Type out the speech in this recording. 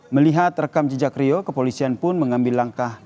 melihat rekam jejak rio kepolisian pun mengambil langkah